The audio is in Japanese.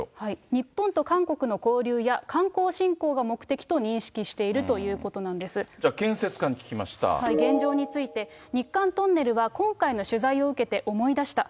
日本と韓国の交流や、観光振興が目的と認識しているというこじゃあ、現状について、日韓トンネルは今回の取材を受けて思い出した。